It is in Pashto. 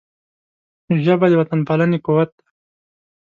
ژبه د وطنپالنې قوت دی